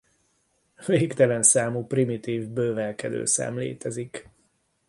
Végtelen számú primitív bővelkedő szám létezik.